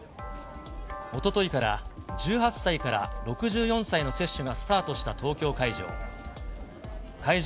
おとといから１８歳から６４歳の接種がスタートした東京会場。